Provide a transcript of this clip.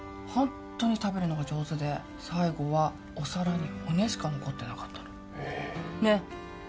ホントに食べるのが上手で最後はお皿に骨しか残ってなかったのへえねっ？